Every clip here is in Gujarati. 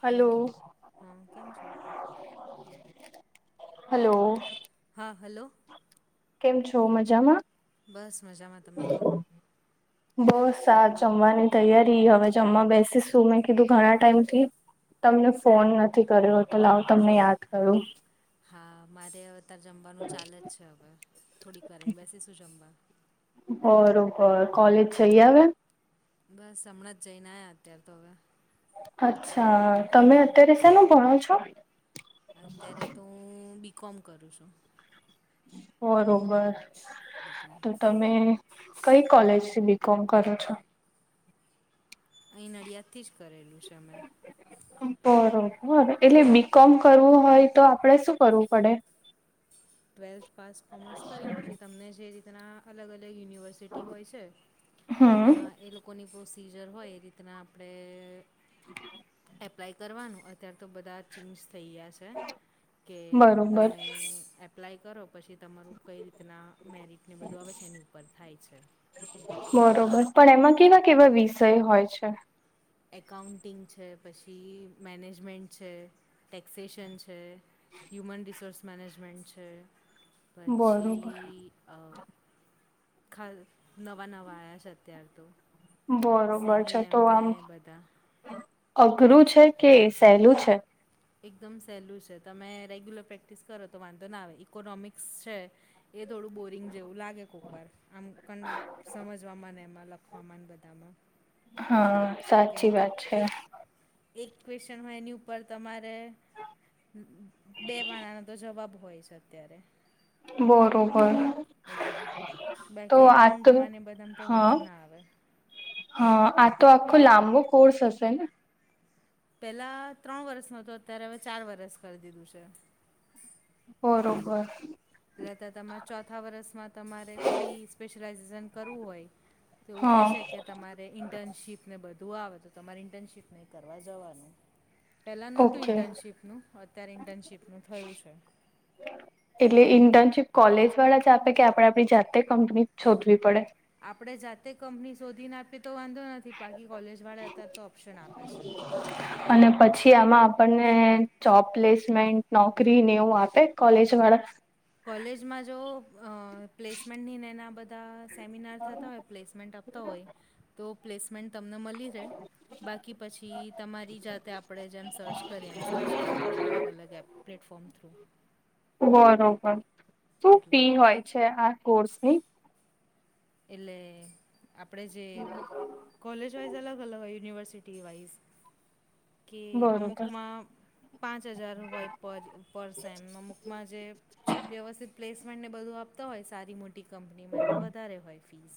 હલો. હા કેમ છો હલો! હા, હલો! કેમ છો? મજામાં? બસ મજામાં, તમે કો. બસ આ જમવાની તૈયારી હવે જમવા બેસીશું મેં કીધું ઘણા ટાઈમથી તમને ફોન નથી કર્યો તો લાવું તમને યાદ કરું. હા, મારે અત્યારે જમવાનું ચાલે જ છે હવે, થોડીક વાર રેયને બેસીશું જમવા. બરોબર, કોલેજ જઈ આવ્યા? બસ હમણાં જ જઈ ને આયા અત્યારે હવે અચ્છા, તમે અત્યારે શેનું ભણો છો? અત્યારે તો હું બીકોમ કરું છું. બરોબર, એટલે તો તમે તમે કઈ કોલેજથી બી કોમ કરો છો? અઈ નડિયાદથી જ કરેલું છે અમે બરોબર, એટલે બી કોમ કરવું હોય તો આપડે શું કરવું પડે? ટ્વેલ્થ પાસ કોમર્સ કરીને પછી તમને જે રીતના અલગ અલગ યુનિવ સિટી હોય છે હમ એમાં એ લોકો લોકોની પ્રોસીજર હોય એ રીતના આપડે એપ્લાય કરવાનું અત્યાર તો બધા ચેન્જશ થઈ ગયા છે. [inaudible] કે બરોબર તમે એપ્લાય કરો પસી તમારું કઈ રીતના મેરિટને બધું આવે છે એની ઉપર થાય છે. બરોબર પણ એમાં કેવા કેવા વિષય હોય છે. એકાઉન્ટિંગ છે પછી મેનેજમેન્ટ છે ટેક્સેેશન છે. હ્યુમન રિસોર્સ મેનેજમેન્ટ છે બરોબર પછી અ ખલ નવા, નવા આવ્યા છે અત્યાર તો બરોબર છે તો સીવીએમને આમ બધા અઘરું છે કે સેલું છે. એકદમ સહેલું છે તમે રેગ્યુલર પ્રેક્ટિસ કરો તો વાંધો ના આવે ઇકોનોમિક્સ છે. એ થોડું બોરિંગ જેવું લાગે કોક વાર આમ કં સમજવામાં એમાં લખવામાં ને બધામાં હા કેમ સાચી કે વાત છે. એક એક ક્વેશ્ચન હોય એની ઉપર તમારે બે પાનાંનો તો જવાબ હોય છે અત્યારે બરોબર એટલે તો બાકી આ તો એકાઉન્ટમાં ને એ બધા મા તો હા વાંધો ના આવે હા આ તો આખો લાંબો કોર્સ હશે ને પેલા ત્રણ વર્ષનો હતો અત્યારે હવે ચાર વરસ કરી દીધું છે બરોબર પેલાતો તમાર ચોથા વર્ષમાં જ તમારે કોઈ સ્પેશ્યલાઇઝેશન કરવું હોય તો એવું કહે હા છે કે તમારે ઇન્ટર્નશીપ ને એ બધું આવે તો તમારે ઇન્ટર્નશીપ ને કરવા જવાનું પેલા નતું ઓકે ઇન્ટર્નશીપનું અત્યારે ઇન્ટર્નશીપનું થયું છે એટલે ઇન્ટર્નશીપ કોલેજ વાળા જ આપે કે આપણે આપડી જાતે કંપની શોધવી પડે. આપણે જાતે કંપની શોધીને આપીએ તો વાંધો નથી બાકી કોલેજ વાળે અત્યારે તો ઓપ્શન આપે [inaudible] અને પછી આમાં આપણને જોબપ્લેસમેન્ટ નોકરી ને એવું આપે કોલેજ વાળા કોલેજમાં જો પ્લેસમેન્ટનીના બધા સેમિનાર થતા હોય પ્લેસમેન્ટ આપ તા હોઈ તો પ્લેસમેન્ટ તમને મળી જાય બાકી પછી તમારી જાતે આપણે જેમ સર્ચ કરીએ એમ સર્ચ કરવાનું અલગ અલગ એપ પ્લેટફોમ થ્રુ બરોબર શું એટલે ફી હોય છે આ કોર્સની એટલે આપણે જે કોલેજ વાઇઝ અલગ અલગ હોય યુનિવર્સિટી વાઇઝ કે બરોબર અમુકમાં પાંચ હજાર હોય પર સેમ અમુક માં જે વ્યવસ્થિત પ્લેસમેન્ટને બધું આપતા હોય સારી મોટી કંપનીમાં એમાં વધારે હોય ફીસ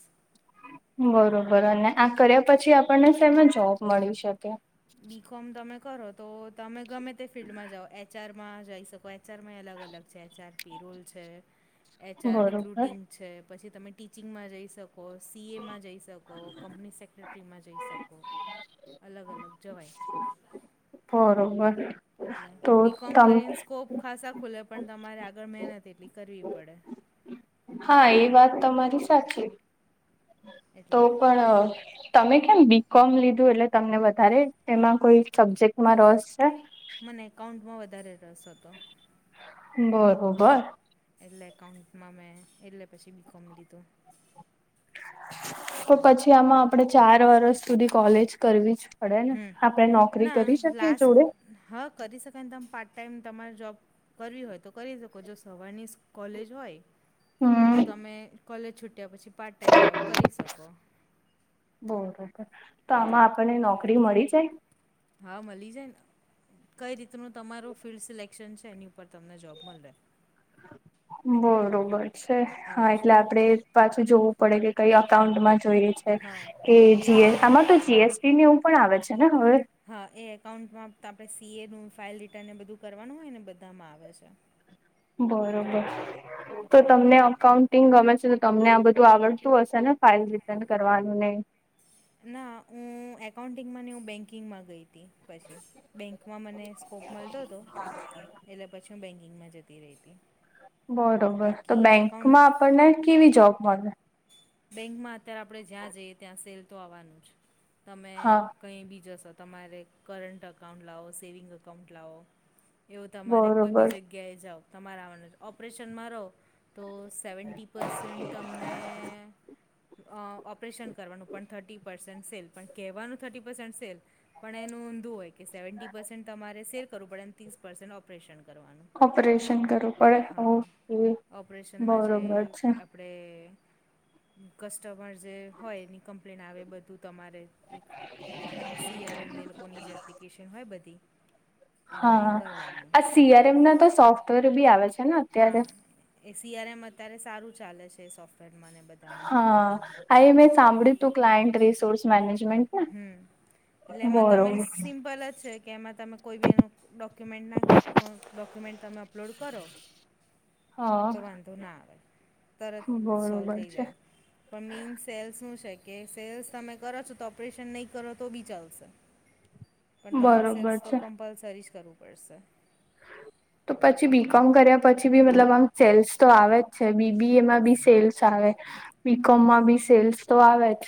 બરોબર અને આ કર્યા પછી આપણને શેમાં જોબ મળી શકે બી કોમ તમે કરો તો તમે ગમે તે ફિલ્ડમાં જાઓ એચઆરમાં જઈ શકાય એચ આરમાં એ અલગ અલગ છે એચ આર પી રૂલ છે એચ આર બરોબર ક્રુટિંગ છે પછી તમે ટીચિંગમાં જઈ શકો સી એમાં જઈ શકો કંપની સેક્રેટરી ફ્રીમાં જઈ શકો અલગ અલગ જવાય બરોબર. એટલે તો બી કોમ તમ કરીને સ્કોપ ખાસા ખુલે પણ તમારે આગળ મહેનત એટલી કરવી પડે હા એ વાત તમારી સાચી તો એટલે પણ તમે કેમ બી કોમ લીધું એટલે તમને વધારે એમાં કોઈ સબ્જેક્ટમાં રસ છે મને એકાઉન્ટમાં વધારે રસ હતો. બરોબર એટલે એકાઉન્ટમાં મેં એટલે પછી બીકોમ લીધું તો એટલે પછી આમાં આપણેે ચાર વર્ષ સુધી કોલેજ કરવી પડે ને હમ આપણે નોકરી ના કરી શકીએ લાસ્ટ જોડે. હા કરી શકાય તમે પાર્ટ ટાઈમ તમારે જોબ કરવી હોય તો કરી શકો જો સવારની કોલેજ હોય તો હમ તમે કોલેજ છૂટ્યા પછી પાર્ટ ટાઈમ જોબ કરી શકો. બરોબર તો આમાં એટલે આપણને નોકરી મળી જાય. હા મલી જાયને. કઈ રીતનું તમારું ફિલ્ડ સિલેક્શન છે એની ઉપર તમને જોબ મલે. બરોબર. છે હા એવું છે એટલે આપડણે પાછું જોવું પડે કે કઈ હા અકાઉન્ટમાં જોઈએ છે હા એ જીએસ આમાં તો જીએસટી ને એવું પણ આવે છે ને હવે. હા એ એકાઉન્ટમાં આપણે સીએ નું ફાઇલ રિટર્ન એ બધું કરવાનું હોય ને બધામાં આવે છે. બરોબર તો એટલે તમને અકાઉન્ટ ટિંગ ગમે છે તો તમને આ બધું આવડતું હશે ને ફાાઈલ રિટર્ન કરવાનું ને. ના હું એકાઉન્ટિંગમાં ની હું બેન્કિંગમાં ગઈ હતી પછી. બેન્કમાં મને સ્કોપ મળતો હતો એટલે પછી હું બેન્કિંગમાં જતી હતી. બરોબર તો બાકી એકાઉન્ટ બેંકમાં આપણને કેવી જોબ મલે. બેંકમાં અત્યારે આપણે જીયા જઈએ ત્યાં સેલ તો આવવાનું તમે હા કંઈ બી જશો તમારે કરંટ અકાઉન્ટ લાવો સેવિંગ અકાઉન્ટ લાવો એવું તમારે કોઈ બી બરોબર જગ્યાએ જાવ તમારે આવવાનું ઓપરેશનમાં રહો તો સેવન્ટી પસેન્ટ તમને અ ઓપરેશન પણ થર્ટી પર્સેન્ટ સેલ પણ કહેવાનું થર્ટી પર્સેન્ટ સેલ પણ એનું ઊંધું હોય કે સેવન્ટી પર્સેન્ટ તમારે સેલ કરવું પડે ત્રીસ પર્સેન્ટ ઓપરેશન કરવાનું. ઓપરેશન કરવું પડે ઓ હા એ ઓપરેશનમાં જે બરોબર છે. આપણે કસ્ટમર જે હોય એની કમ્પ્લેન આવે બધું તમારે એક સી આરએમ એ લોકોની જે એપ્લિકેશન હોય બધી એમાં એ હા કરવાનું આ સીઆરએમ ના તો સોફ્ટવેર બી આવે છે ને. અત્યારે હા એ સીઆરએમ અત્યારે સારું ચાલે છે સોફ્ટવેર મને બ હા આ એ મેં સાંભળ્યું તું ક્લાયન્ટ રિસોર્સ મેનેજમેન્ટ ને હમ એટલે એમાં તમે બરોબર સિમ્પલ જ છે કે એમાં તમે કોઈ બી એનું ડોક્યુમેન્ટ નાખ ડોક્યુમેન્ટ તમે અપલોડ કરો તો હા વાંધો ના આવે તરત સોલ્વ બરોબર થઈ છે જાય. પણ મીનસ સેલ્સ શું સેલ્સ તમે કરો છો તો પરેેશન નહી કરો તો બી ચાલશે. પણ તમારે બરોબર સેલ્સ તો છે કમ્પલસરી જ કરવું પડશે. તો પછી બી એટલે કોમ કર્યા પછી બી મતલબ આમ સેલ્સ તો આવે જ છે બીબીએમાં બી સેલ્સ સ આવે બી કોમમાં બી સેલ્સ તો આવે જ.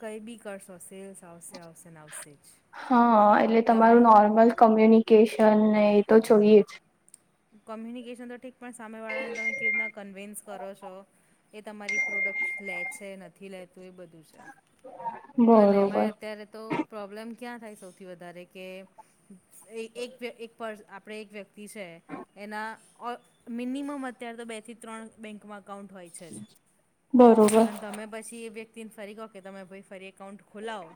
કઈ બી કરશો સેલ્સ આવશે આવશેને આવશે જ. હા એટલે તમે તમારું નોર્મલ કોમ્યુનિકેશન ને એ તો હા જોઈએ જ. કોમ્યુનિકેશન તો ઠીક પણ સામેવાળાને તમે કેવી રીતના કન્વિન્સ કરો છો એ તમારી પ્રોડક્ટ લે છે નથી લેતું એ બધું છે. [inaudible] અને એમાંય અત્યારે તો પ્રોબ્લેમ ક્યાં થાય સૌથી વધારે કે એક એક પસ આપણે એક વ્યક્તિ છે એના [unintelligible] મિનિમમ અત્યારે તો બે થી ત્રણ બેંકમાં એકાઉન્ટ હોય છે જ બરોબર અને તમે પછી એ વ્યક્તિને ફરી કહો કે તમે ભાઈ ફરી એકાઉન્ટ ખોલાવ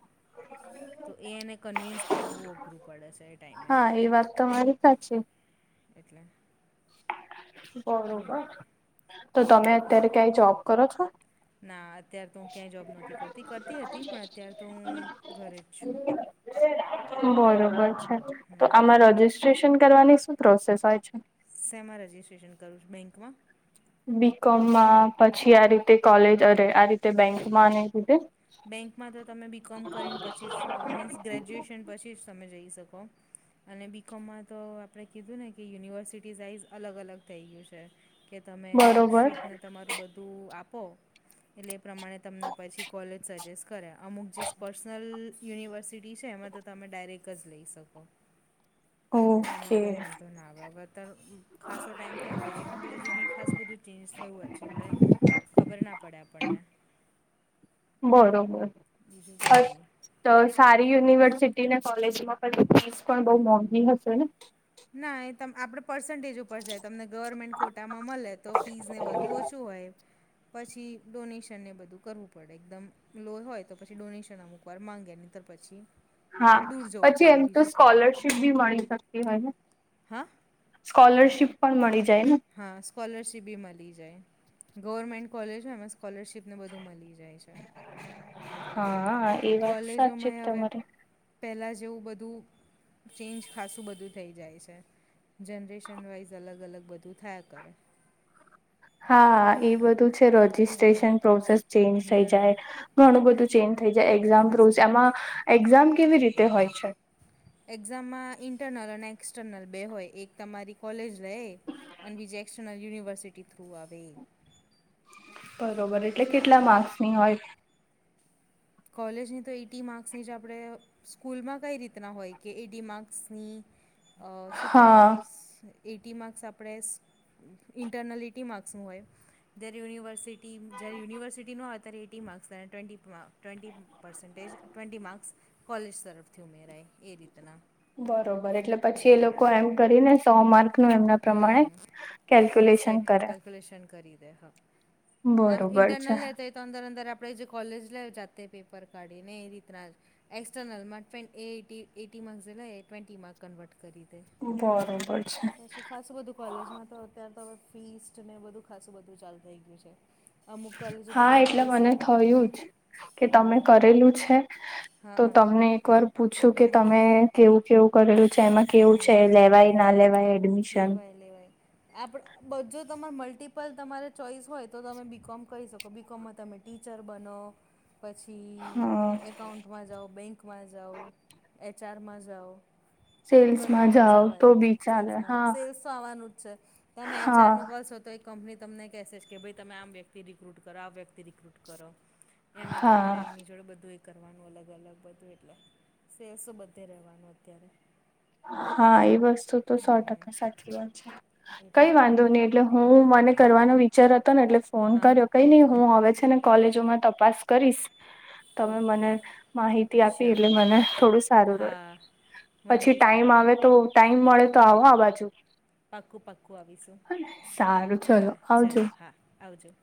તો એ એને કન્વિન્સ કરવું બહુ અઘરું પડે છે એ ટાઈમે. હાએ વાત તમારી મારી સાચી. એટલે બોલ બરોબર તો તમે અત્યારે ક્યાંય જોબ કરો છો. ના અત્યારે તો હું ક્યાંય જોબ નથી કરતી કરતી હતી પણ અત્યારે તો હું ઘરે જ છું. બરોબર છે તો આમાં રજીિસ્ટ્રેશન કરવાની શું પ્રોસેસ હોય છે. સેમા રજીસ્ટ્રેશન કરું છું બેંકમાં. બી કોમમાં પછી આ રીતે કોલેજ અરે આ રીતે બેંકમાં અને એ રીતે. બેંકમાં તો તમે બી કોમ કરીને પછી જ મીન્સ ગ્રેજ્યુએશન પછી જ તમે જઈ શકો. અને બી કોમમાં તો આપણે કીધું ને કે યુનિવર્સિટી વાઇઝ અલગ અલગ થઈ ગયું છે કે તમે બરોબર માર્કશીટને તમારું બ ધૂ આપો એટલે એ પ્રમાણે તમને પછી કોલેજ સજેસ્ટ કરે અમુક જે પર્સનલ યુનિવર્સિટી છે એમાં તો તમે ડાયરેક જ લઈ શકો. એમાં ઓકે કોઈ વાંધો ના આવે [unintelligible] ખાસો ટાઈમ થેલો હજી હજી ભી ખાસું બધું ચેન્જ થયું હોય છે એટલે ખબરના પડે આપણને. બરોબર બીજું કંઈ [inaudible] નહીં તો સારી યુનિવર્સિટીને કોલેજમાં પછી ફીસ પણ બહુ મોંઘી હશેને. ના એતો આપડે પર્સન્ટેજ ઉપર જાય તમને ગવર્મેન્ટ કોટામાં મલે તો ફીઝને બધું ઓછું હોય પછી ડોનેશનને બધું કરવું પડે એકદમ લો હોયતો પછી ડોનેશન અમુક ઉપર માગે ની તર પછી હા દૂર જવું પછી પડે એમતો બીજું કંઈ નહીં સ્કોલરશીપ ભી મળી શકતી હોય ને. હા. સ્કોલરશીપ પણ મળી જાયને. હા સ્કોલરશિપ ભી મળી જાય ગવર્મેન્ટ કોલેજ હોય એમાં સ્કોલરશિપ ને બધું મળી જાય છે એટલે હા એ વાત સાચી કોલેજોમાં એ હવે તમારે પહેલાં જેવું બધું ચેન્જ ખાસું બધું થઈ જાય છે જનરેશન વાઈઝ અલગ અલગ બધું થાયા કરે. હા એ બધું છે એટલે રજીસ્ટ્રેશન પ્રોસેસ ચેન્જ થઈ જાય હમ ઘણું બધું ચેન્જ થઇ જાય એક્ઝામ પ્રો ખાસું બધું એમાં એક્ઝામ કેવી રીતે હોય છે. એક્ઝામમાં ઇન્ટરનલ અને એક્સટર્નલ બે હોય એક તમારી કોલેજ લે એ અને બીજી એક્સટર્નલ યુનિવર્સિટી થ્રુ આવે એ. બરોબર એટલે કેટલા એટલે માર્ક્સની હોય. કોલેજની તો એઈટી માર્ક્સની જ આપણે સ્કૂલમાં કંઈ રીતના હોય કે એડી માર્ક્સની શું હા કહેવાય એટી માર્ક્સ આપણે ઇન્ટરનલ એટી માર્ક્સનું હોય દેર યુનિવર્સિટી ટીમ જ્યારે યુનિવર્સિટીનો આવે ત્યારે એટી માર્ક્સ અને twenty twenty percentage twenty marks college તરફથી ઉમેરાય એ રીતના. બરોબર એટલે પછી લોકો એમ કરીને સો માર્ક નું એમના પ્રમાણે હમ કેલ્ક્યુલેશન સેટ કરે કેલ્ક્યુલેશન કરી દે હા. આમ બરોબર છે ઇન્ટરનલે. અંદર અંદર આપણેે જે કોલેજ લ જાતે પેપર કાઢી ને એ રીતના. એક્સસ્ટર્નલ ટ એટી એટી માસ એલા એ ટ્વેન્ટટી માર્ક કનવર્ટ કર કરી દે. બરોબર. છે સાત શ્રી ખાસ વધુ. કોલેજમાં તો અત્યારે તો હવે ફીસ્ટ ને બધું ખાસું બધું ચાલુ થઈ ગયું છે. અમુક કોલેજો તો હા પહેલાં એટલે મને પ્લેસમેન્ટ થયું જ કે હમ તમે કરેલું છે. હા તો હ તમને એક વાર પૂછું કે તમે. કેવું કેવું કરેલું છે એમાં કેવું છે, લેવાય ના લેવાય. એડમિશન લેવાય લેવાય. આપ જો તમાર મલ્ટિપલ તમારે ચોઈસ હોય, તો તમે બીકોમ કહી શકો બીકોમમાં તમે. ટીચર બનો પછી હા એકાઉન્ટ. માં જાઉં બેંકમાં જાઉં એચઆરમાં જાઉ. સેલ્સમાં બધામાં જાઓ તો જવાય. બી ચાલે સેલ્સ હા તો આવવાનું જ છે, તમે હા એચઆર નું કરશો તો. કંપની તમને કહેસે છે, કે ભાઈ તમે આમ વ્યક્તિ રિક્રુટ કરો આ વ્યક્તિ રિક્રુટ કરો. એમાં તમારે હા એમની જોડે બધું. કરવાનું અલગ અલગ બધું એટલે સેલ્સો બધે રહેવાનું અત્યારે. હા એ વસ્તુ તો સો હમ ટકા સાચી વાત છે કઈ એટલે વાંધો નહી એટલે. હું મને કરવાનો વિચાર હતો ને એટલે ફોન હા કર્યો. કઈ નહી હું હવે છે ને કોલેજોમાં તપાસ કરીશ. તમે મને ઓકે માહિતી આપી શ્યોર એટલે મને થોડું સારું. હા મને પછી બી ટાઈમ સારું આવે તો રહ્યું ટાઈમ મળે તો આવો આ બાજુ. પાક્કું પાક્કું આવીશું સારું હા ચલો આવજો ચલો હા આવજો.